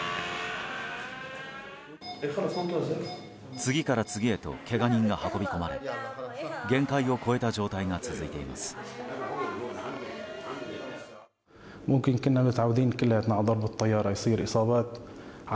次から次へとけが人が運び込まれ限界を超えた状態が続いています。